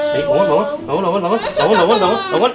bangun bangun bangun bangun